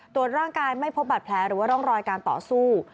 ตรวจร่างกายไม่พบบัตรแผลหรือว่าร่องรอยการต่อสู้